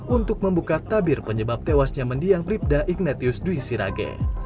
untuk membuka tabir penyebab tewasnya mendiang bribda ignatius dwi sirage